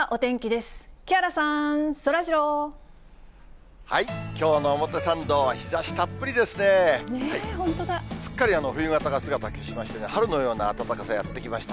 すっかり冬型が姿消ししましてね、春のような暖かさやって来ました。